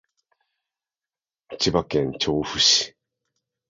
千葉県銚子市